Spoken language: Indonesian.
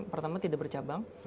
pertama tidak bercabang